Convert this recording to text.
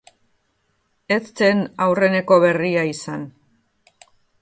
Ez zen aurreneko berria izan.